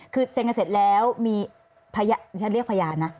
คือเซ็นกันเสร็จแล้วมีพยานเรียกพยานนะ